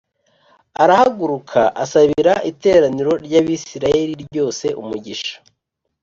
Arahaguruka asabira iteraniro ry’Abisirayeli ryose umugisha